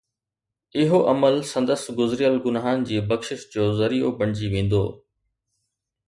اهو عمل سندس گذريل گناهن جي بخشش جو ذريعو بڻجي ويندو